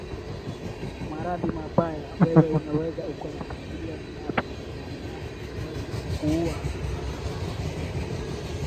maradhi mabaya wewe unaweza ukayafikiria ni yapi Maana yake yanaweza kukuua haraka haraka Sasa